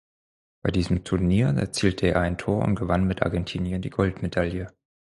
Bei diesem Turnier erzielte er ein Tor und gewann mit Argentinien die Goldmedaille.